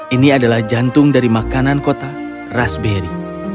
ini adalah jantung dari makanan kota raspberry